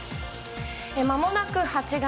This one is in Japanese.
まもなく８月。